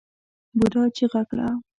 بوډا چيغه کړه!